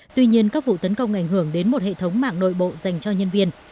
tuy nhiên các vụ tấn công ảnh hưởng đến một hệ thống mạng nội bộ dành cho nhân viên